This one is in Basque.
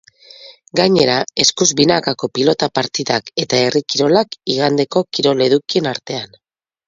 Gainera, eskuz binakako pilota partidak eta herri kirolak igandeko kirol edukien artean.